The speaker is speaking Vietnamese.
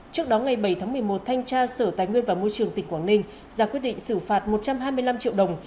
trước đó ngày bảy tháng một mươi một thanh tra sở tài nguyên và môi trường tỉnh quảng ninh ra quyết định xử phạt một trăm hai mươi năm triệu đồng